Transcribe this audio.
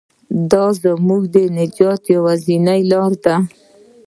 دا زموږ د نجات یوازینۍ لاره ده.